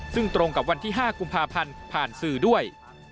ซึ่งตรงกับวันที่๕กุมภาพันธ์ผ่านสื่อด้วย